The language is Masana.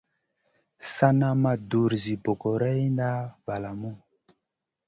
Sana ma dur zi bogorayna valamu.